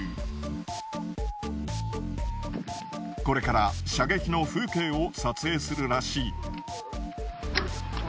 これから射撃の風景を撮影するらしい。